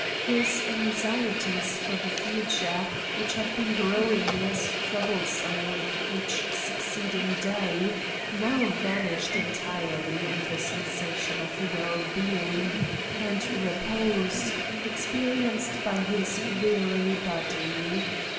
His anxieties for the future, which had been growing less troublesome with each succeeding day, now vanished entirely in the sensation of well being and repose experienced by his weary body.